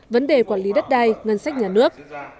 vấn đề quản lý đất đai ngân sách nhà nước